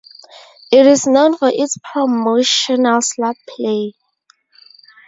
It is known for its promotional slot play.